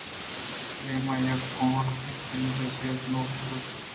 دائمءَ یک کوٛہنگیں کمبلے ءِ چیرا نندوک زُکرّتگ اِت اَنت